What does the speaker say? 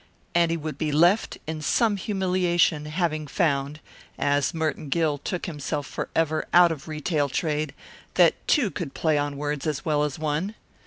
And he would be left, in some humiliation, having found, as Merton Gill took himself forever out of retail trade, that two could play on words as well as one.